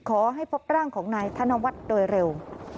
พบร่างของนายธนวัฒน์โดยเร็ว